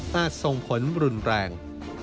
ส่งผลรุนแรง